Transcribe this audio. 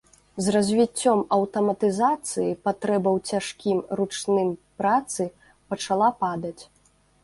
З развіццём аўтаматызацыі патрэба ў цяжкім ручным працы пачала падаць.